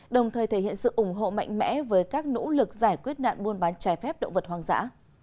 đồng thời thể hiện sự ủng hộ mạnh mẽ với các nỗ lực giải quyết nạn buôn bán trái phép động vật hoang dã